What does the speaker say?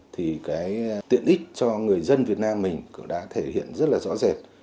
thì cái tiện ích cho người dân việt nam mình đã thể hiện rất là rõ rệt